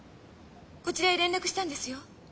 こちらへ連絡したんですよ。